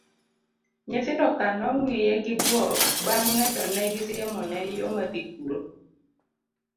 nyithindoka nong'iye gi buok bang'e to negisiemone yo madhi kuro